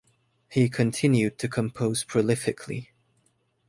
He continued to compose prolifically.